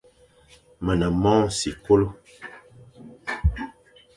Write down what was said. Me ne mong sikolo.